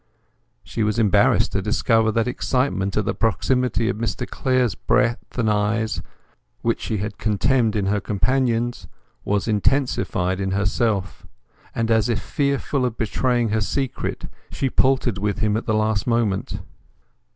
She was embarrassed to discover that excitement at the proximity of Mr Clare's breath and eyes, which she had contemned in her companions, was intensified in herself; and as if fearful of betraying her secret, she paltered with him at the last moment.